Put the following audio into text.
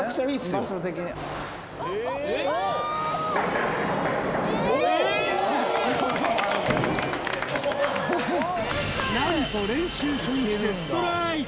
場所的に何と練習初日でストライク